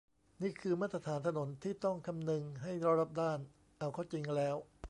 นี่คือ มาตรฐานถนนที่ต้องคำนึงให้รอบด้าน เอาเข้าจริงแล้ว